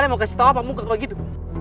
ale mau kasih tau apa muka kok gitu